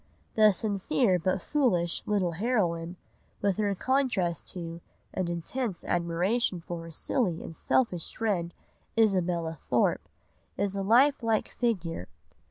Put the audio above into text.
The sincere but foolish little heroine, with her contrast to and intense admiration for her silly and selfish friend, Isabella Thorpe, is a life like figure.